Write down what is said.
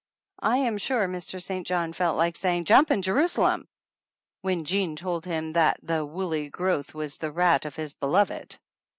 I am sure Mr. St. John felt like saying "Jumping Jerusalem" when Jean told him that the woolly growth was the rat of his beloved.